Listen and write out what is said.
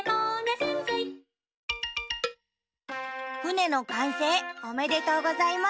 ふねのかんせいおめでとうございます。